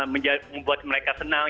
membuat mereka senang